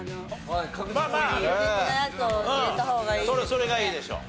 それがいいでしょう。